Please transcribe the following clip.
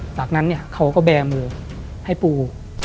หลังนั้นเค้าก็แบร์ด้วยมือให้ปู